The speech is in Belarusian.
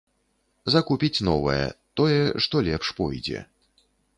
Закупіць новае, тое, што лепш пойдзе.